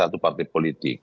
satu partai politik